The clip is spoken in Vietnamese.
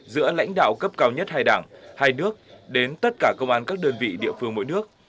giữa lãnh đạo cấp cao nhất hai đảng hai nước đến tất cả công an các đơn vị địa phương mỗi nước